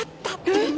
えっ！？